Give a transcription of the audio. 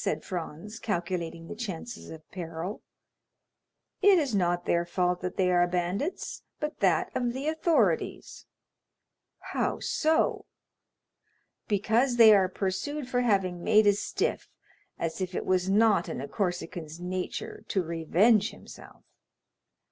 said Franz, calculating the chances of peril. "It is not their fault that they are bandits, but that of the authorities." "How so?" "Because they are pursued for having made a stiff, as if it was not in a Corsican's nature to revenge himself."